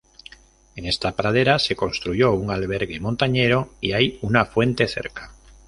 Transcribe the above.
En esta pradera se construyó un albergue montañero y hay una fuente cerca.